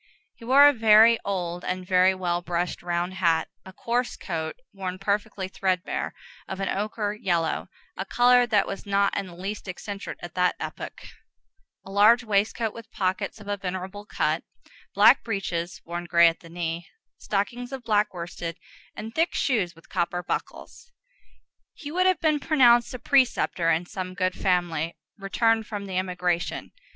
He wore a very old and very well brushed round hat; a coarse coat, worn perfectly threadbare, of an ochre yellow, a color that was not in the least eccentric at that epoch; a large waistcoat with pockets of a venerable cut; black breeches, worn gray at the knee, stockings of black worsted; and thick shoes with copper buckles. He would have been pronounced a preceptor in some good family, returned from the emigration.